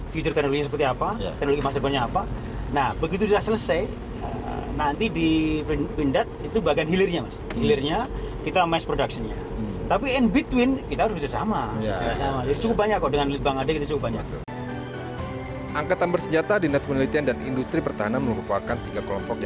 future teknologinya seperti apa teknologi master plan nya apa